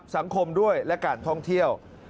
สังคมด้วยและการท่องเที่ยว